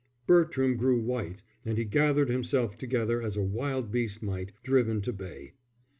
Bertram grew white and he gathered himself together as a wild beast might, driven to bay.